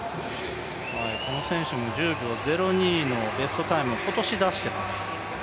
この選手も１０秒０２のベストタイムを今年出しています。